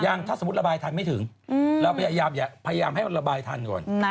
ถ้าสมมุติระบายทันไม่ถึงเราพยายามให้ระบายทันก่อน